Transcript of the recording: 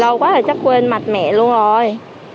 lâu quá rồi chắc quên mặt mẹ luôn rồi